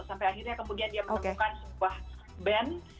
sampai akhirnya kemudian dia menemukan sebuah band